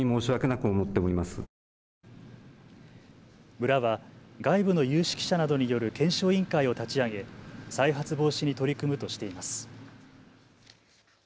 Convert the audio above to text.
村は外部の有識者などによる検証委員会を立ち上げ再発防止に取り組むとしています。